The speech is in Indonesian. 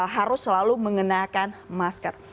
harus selalu mengenakan masker